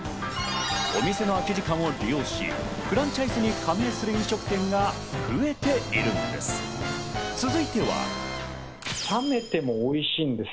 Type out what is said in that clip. お店の空き時間を利用し、フランチャイズに加盟する飲食店が増えているんです。